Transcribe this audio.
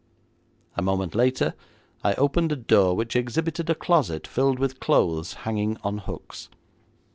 A moment later, I opened a door which exhibited a closet filled with clothes hanging on hooks.